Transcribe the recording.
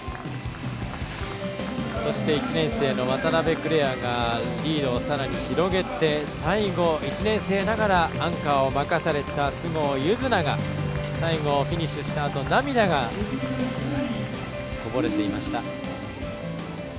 そして１年生の渡邉来愛がリードをさらに広げて最後、１年生ながらアンカーを任された須郷柚菜が最後フィニッシュしたあと涙がこぼれていました。